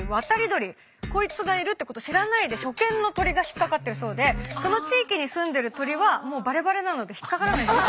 こいつがいるってこと知らないで初見の鳥が引っ掛かってるそうでその地域にすんでる鳥はもうバレバレなので引っ掛からないそうです。